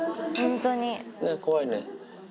ね、怖いね。